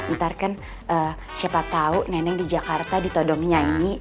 ntar kan siapa tau nenek di jakarta ditodong nyanyi